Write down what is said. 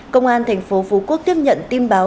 công an thành phố phú quốc tiếp nhận tin báo